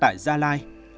tại gia lai